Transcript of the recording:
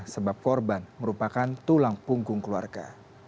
sebab korban merupakan tulang punggung keluarga